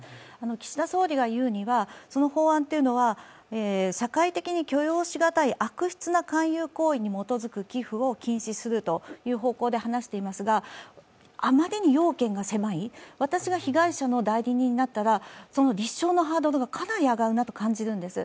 岸田総理が言うには、その法案は社会的に許容しがたい悪質な寄付を禁止するという方向で話していますが、あまりに要件が狭い、私が被害者の代理人にだったら立証のハードルはかなり上がるなと感じるんです。